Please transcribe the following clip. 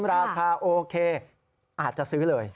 ราคาโอเคอาจจะซื้อเลย